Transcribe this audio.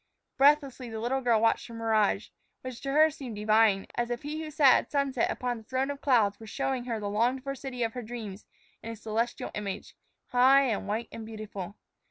Breathlessly the little girl watched the mirage, which to her seemed divine, as if He who sat at sunset upon the throne of clouds were showing her the longed for city of her dreams in a celestial image, high and white and beautiful.